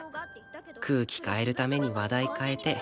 空気変えるために話題変えて